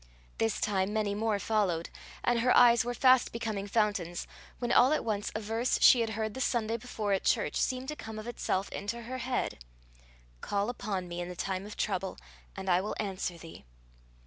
This time many more followed, and her eyes were fast becoming fountains, when all at once a verse she had heard the Sunday before at church seemed to come of itself into her head: "Call upon me in the time of trouble and I will answer thee."